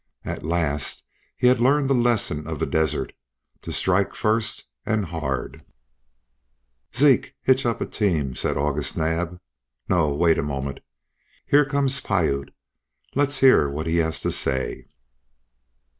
At last he had learned the lesson of the desert to strike first and hard. "Zeke, hitch up a team," said August Naab. "No wait a moment. Here comes Piute. Let's hear what he has to say."